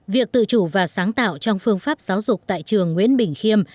việc tự chủ và sáng tạo trong phương pháp giáo dục tại trường nguyễn bình khiêm